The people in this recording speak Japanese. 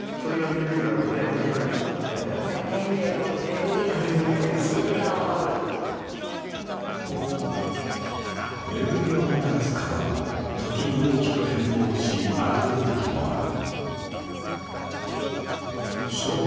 恵みをもたらす川は時に大きく変貌し荒ぶることもある。